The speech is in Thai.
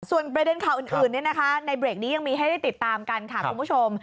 ส่วนประเด็นข่าวอื่นในเบรกนี้ยังมีให้ได้ติดตามกันค่ะคุณผู้ชม